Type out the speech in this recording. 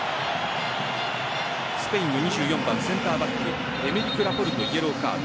スペインの２４番センターバックエメリク・ラポルトイエローカード。